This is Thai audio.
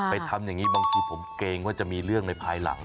ทำอย่างนี้บางทีผมเกรงว่าจะมีเรื่องในภายหลัง